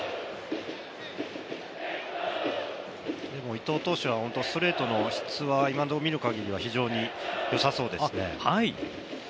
伊藤投手はストレートの質は、見るところ非常に良さそうですね。